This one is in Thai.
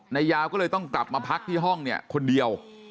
นายยาวก็เลยต้องกลับมาพักที่ห้องเนี่ยคนเดียว